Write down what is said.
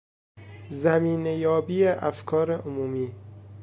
زمینه یابی افکار عمومی